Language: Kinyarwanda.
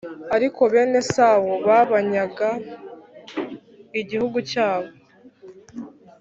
ariko bene Esawu babanyaga igihugu cyabo,